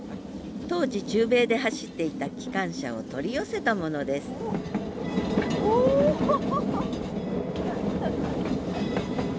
当時中米で走っていた機関車を取り寄せたものですおホホホッ。